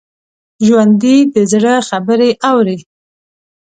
ژوندي د زړه خبرې اوري